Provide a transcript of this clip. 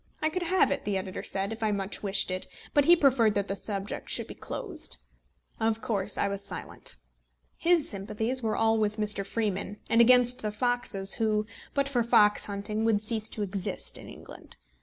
I could have it, the editor said, if I much wished it; but he preferred that the subject should be closed. Of course I was silent. His sympathies were all with Mr. Freeman, and against the foxes, who, but for fox hunting, would cease to exist in England.